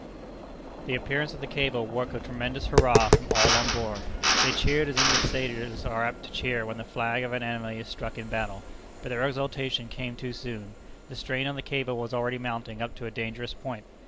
The appearance of the cable woke a tremendous hurrah from all on board. They cheered as English sailors are apt to cheer when the flag of an enemy is struck in battle. But their exultation came too soon. The strain on the cable was already mounting up to a dangerous point.